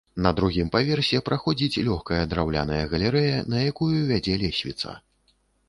На другім паверсе праходзіць лёгкая драўляная галерэя, на якую вядзе лесвіца.